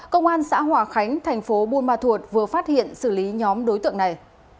công an xã hòa khánh thành phố buôn ma thuột vừa phát hiện xử lý nhóm đối tượng này